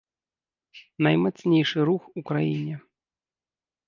Наймацнейшы рух у краіне.